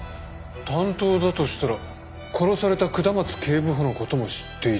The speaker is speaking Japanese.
担当だとしたら殺された下松警部補の事も知っていたはず。